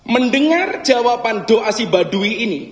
mendengar jawaban doa si baduy ini